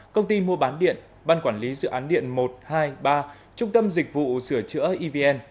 công ty mua bán điện ban quản lý dự án điện một trăm hai mươi ba trung tâm dịch vụ sửa chữa evn